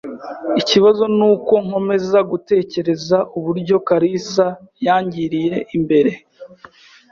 Ikibazo nuko nkomeza gutekereza uburyo kalisa yangiriye mbere.